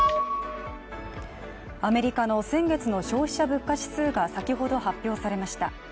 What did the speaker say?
アメリカの先月の消費者物価指数が先ほど発表されました。